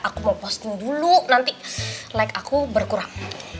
aku mau posting dulu nanti naik aku berkurang